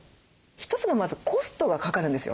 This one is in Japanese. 一つがまずコストがかかるんですよ。